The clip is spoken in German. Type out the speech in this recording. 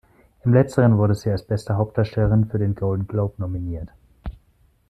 Im letzteren wurde sie als beste Hauptdarstellerin für den Golden Globe nominiert.